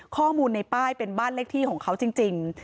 ข้อมูลในป้ายเป็นบ้านเลขที่ของเขาจริง